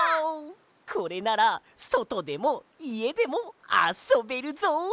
これならそとでもいえでもあそべるぞ！